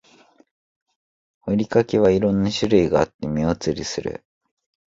ふりかけは色んな種類があって目移りする